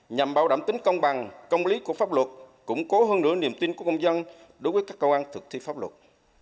nhằm bảo đảm tính công bằng công lý của pháp luật củng cố hơn nữa niềm tin của công dân đối với các cơ quan thực thi pháp luật